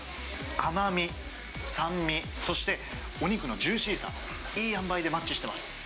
甘み、酸味、そして、お肉のジューシーさ、いい塩梅でマッチしてます。